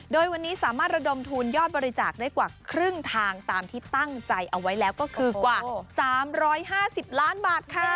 โดยวันนี้สามารถระดมทุนยอดบริจาคได้กว่าครึ่งทางตามที่ตั้งใจเอาไว้แล้วก็คือกว่า๓๕๐ล้านบาทค่ะ